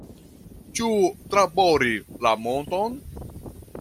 Ĉu trabori la monton?